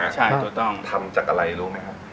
ใช่ถูกต้องทำจากอะไรรู้ไหมครับ